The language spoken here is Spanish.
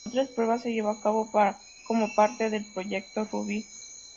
Otras pruebas se llevó a cabo como parte de proyecto Ruby.